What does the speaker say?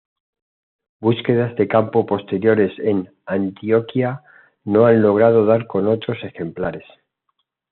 Búsquedas de campo posteriores en Antioquia no han logrado dar con otros ejemplares.